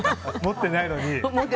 持ってないのに。